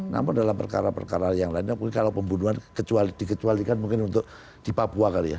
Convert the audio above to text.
namun dalam perkara perkara yang lainnya mungkin kalau pembunuhan dikecualikan mungkin untuk di papua kali ya